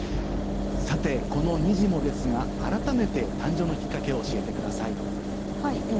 さてこのにじモですが改めて誕生のきっかけを教えてください。